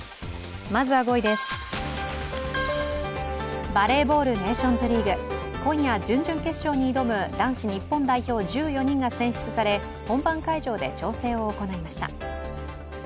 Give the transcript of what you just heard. まずは５位です、バレーボール、ネーションズリーグ、今夜、準々決勝に挑む男子日本代表１４人が選出され本番会場で調整を行いました。